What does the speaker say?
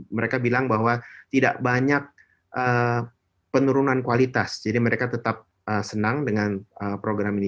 mereka bilang bahwa tidak banyak penurunan kualitas jadi mereka tetap senang dengan program ini